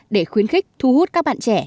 để khuyến khích thu hút các bạn trẻ